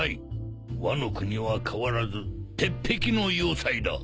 ワノ国は変わらず鉄壁の要塞だ！